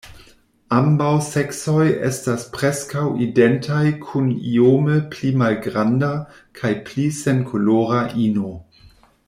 Ambaŭ seksoj estas preskaŭ identaj kun iome pli malgranda kaj pli senkolora ino.